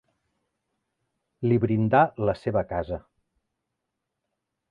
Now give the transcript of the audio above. Li brindà la seva casa.